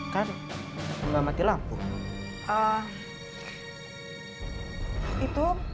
kan belum mati lampu